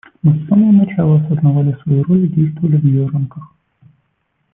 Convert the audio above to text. Мы с самого начала осознавали свою роль и действовали в ее рамках.